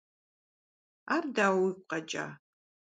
Ар дауэ уигу къэкӀа?